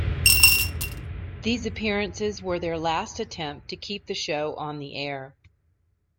These appearances were their last attempt to keep the show on the air.